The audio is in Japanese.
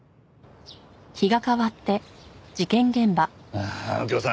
ああ右京さん